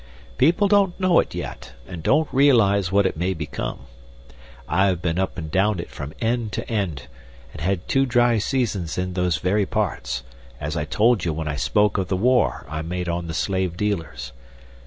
People don't know it yet, and don't realize what it may become. I've been up an' down it from end to end, and had two dry seasons in those very parts, as I told you when I spoke of the war I made on the slave dealers.